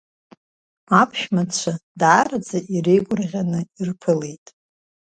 Аԥшәмацәа даараӡа иреигәырӷьаны ирԥылеит.